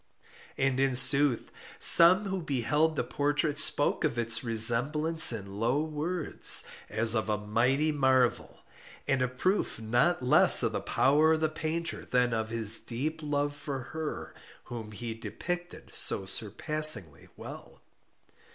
And in sooth some who beheld the portrait spoke of its resemblance in low words, as of a mighty marvel, and a proof not less of the power of the painter than of his deep love for her whom he depicted so surpassingly well.